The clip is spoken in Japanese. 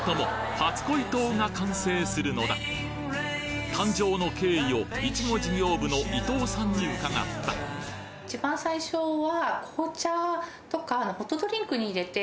初恋糖が完成するのだ誕生の経緯をいちご事業部の伊藤さんに伺ったそれがですね。